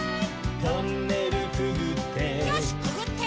「トンネルくぐって」